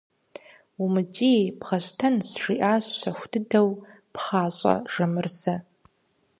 – УмыкӀий, бгъэщтэнщ, – жиӀащ щэху дыдэу пхъащӀэ Жамырзэ.